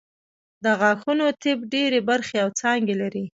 د غاښونو طب ډېرې برخې او څانګې لري